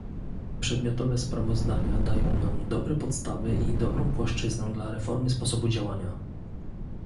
Przedmiotowe sprawozdania dają nam dobre podstawy i dobrą płaszczyznę dla reformy sposobu działania